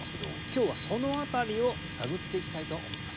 今日はその辺りを探っていきたいと思います。